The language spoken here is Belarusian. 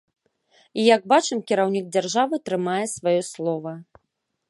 І як бачым, кіраўнік дзяржавы трымае сваё слова.